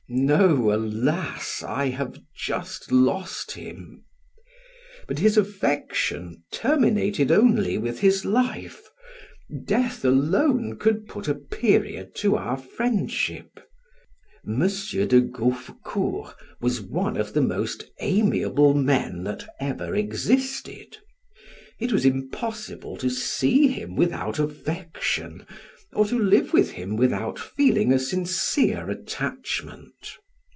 No, alas! I have just lost him! but his affection terminated only with his life death alone could put a period to our friendship. Monsieur de Gauffecourt was one of the most amiable men that ever existed; it was impossible to see him without affection, or to live with him without feeling a sincere attachment.